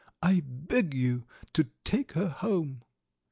"I beg you to take her home."